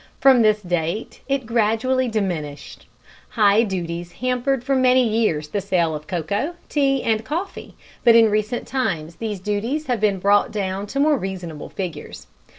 From this date it gradually diminished. High duties hampered for many years the sale of cocoa, tea and coffee, but in recent times these duties have been brought down to more reasonable figures.